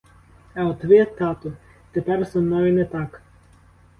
А от ви, тату, тепер зо мною не так.